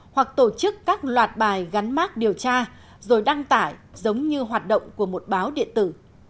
hoặc tổ chức các loạt bài gắn mác điều tra rồi đăng tải giống như hoạt động của một báo điện tử